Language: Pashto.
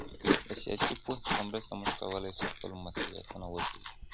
د سياسي پوهي په مرسته موږ کولي سو خپل مسؤليتونه وپېژنو.